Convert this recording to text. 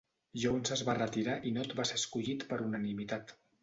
Jones es va retirar i Knott va ser escollit per unanimitat.